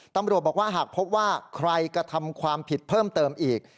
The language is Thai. ตำรวจบอกว่าหากพบว่าใครกระทำความผิดเพิ่มเติมอีก